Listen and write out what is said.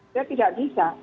kita tidak bisa